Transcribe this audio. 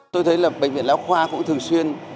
tôi thấy là bệnh viện lão khoa cũng thường xuyên